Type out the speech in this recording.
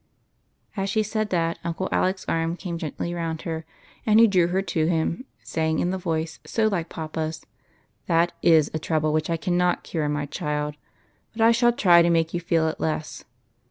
As she said that. Uncle Alec's arm came gently round her, and he drew her to him, saying, in the voice 80 like papa's, — UNCLES. 27 " That is a trouble which I cannot cure, my child ; but I shall try to make you feel it less.